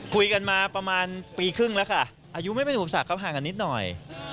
คุยกันมาประมาณปีครึ่งละค่ะอายุไม่เป็นผูปศักดิ์เขาก็ห่างกันนิดหน่อย